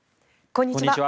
こんにちは。